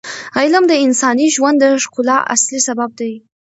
علم د انساني ژوند د ښکلا اصلي سبب دی.